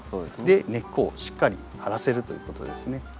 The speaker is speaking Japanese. で根っこをしっかり張らせるということですね。